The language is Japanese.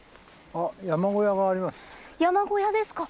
山小屋ですか？